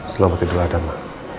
selamat tidur atta ya